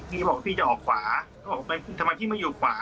พี่บอกพี่จะออกขวาเขาบอกทำไมพี่ไม่อยู่ขวา